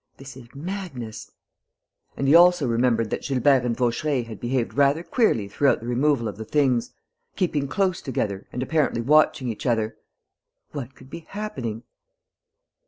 "This is madness." And he also remembered that Gilbert and Vaucheray had behaved rather queerly throughout the removal of the things, keeping close together and apparently watching each other. What could be happening?